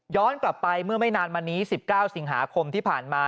กลับไปเมื่อไม่นานมานี้๑๙สิงหาคมที่ผ่านมา